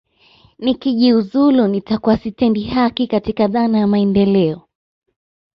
Nikijiuzulu nitakuwa sitendi haki katika dhana ya maendeleo